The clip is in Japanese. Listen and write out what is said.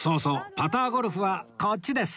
パターゴルフはこっちです